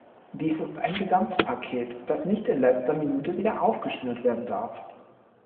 Dies ist ein Gesamtpaket, das nicht in letzter Minute wieder aufgeschnürt werden darf!